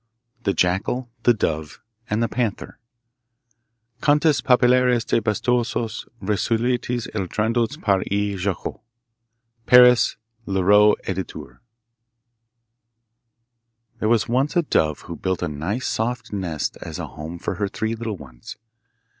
The Jackal, the Dove, and the Panther Contes populaires des Bassoutos. Recueillis et traduits par E. Jacottet. Paris: Leroux, Editeur. There was once a dove who built a nice soft nest as a home for her three little ones.